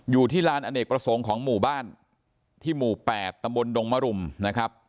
อยู่ที่ลานอเนกประสงค์ของหมู่บ้านที่หมู่๘ตำบลดงมรุมนะครับ